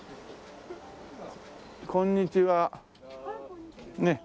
こんにちは。ねえ。